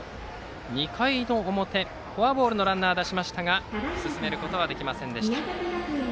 ２回の表、フォアボールのランナーを出しましたが進めることはできませんでした。